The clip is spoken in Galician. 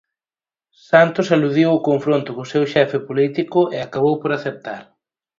Santos eludiu o confronto co seu xefe político e acabou por aceptar.